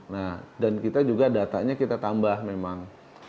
nah dan kita juga datanya kita tambah memang